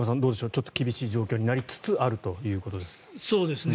ちょっと厳しい状況になりつつあるということですが。